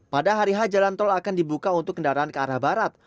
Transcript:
pada hari h jalan tol akan dibuka untuk kendaraan ke arah barat